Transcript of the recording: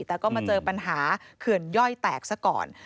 แต่ก็มาเจอปัญหาเขื่อนย่อยแตกซะก่อน